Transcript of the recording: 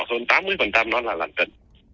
khoảng hơn tám mươi nó là lành tính